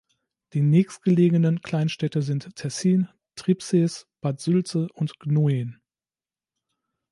Die nächstgelegenen Kleinstädte sind Tessin, Tribsees, Bad Sülze und Gnoien.